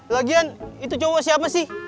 lagian itu cowok siapa sih